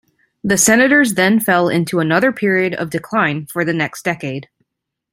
The Senators then fell into another period of decline for the next decade.